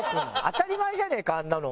当たり前じゃねえかあんなの。